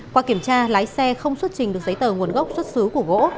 qua kiểm tra lái xe không xuất trình được giấy tờ nguồn gốc xuất xứ của gỗ